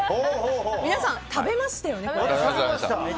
皆さん、食べましたよね、これ。